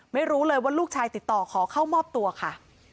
ไม่รู้เลยว่าลูกชายติดต่อขอเข้ามอบตัวค่ะ